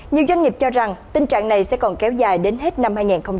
nhiều doanh nghiệp cho rằng tình trạng này sẽ còn kéo dài đến hết năm hai nghìn hai mươi